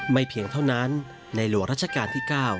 เพียงเท่านั้นในหลวงรัชกาลที่๙